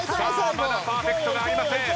まだパーフェクトがありません。